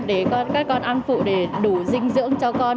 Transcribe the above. để các con ăn phụ để đủ dinh dưỡng cho con